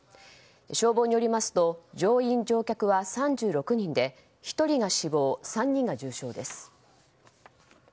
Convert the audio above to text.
消防によりますと乗員・乗客は３６人で１人が死亡、３人が重傷です。